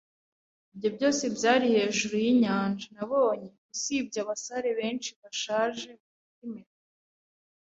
ibyo byose byari hejuru yinyanja. Nabonye, usibye, abasare benshi bashaje, bafite impeta